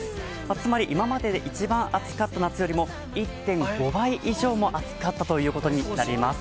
つまり今までで一番暑かった夏よりも１．５倍暑かったということになります。